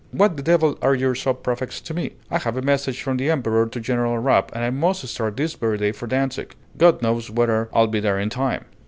"What the devil are your sub prefects to me? I have a message from the Emperor to General Rapp, and I must start this very day for Dantzic. God knows whether I'll be there in time!"